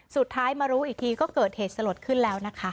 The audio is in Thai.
สุดท้ายมารู้อีกทีก็เกิดเหตุสลดขึ้นแล้วนะคะ